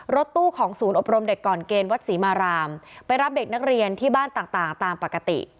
รถตู้ของศูนย์อบรมเด็กก่อนเกณฑ์วัดศรีมารามไปรับเด็กนักเรียนที่บ้านต่างตามปกติ